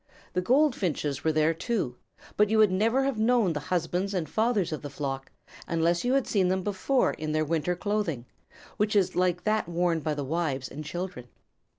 The Goldfinches were there too, but you would never have known the husbands and fathers of the flock, unless you had seen them before in their winter clothing, which is like that worn by the wives and children.